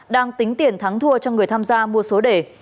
đang tính tiền thắng thua cho người tham gia mua số đề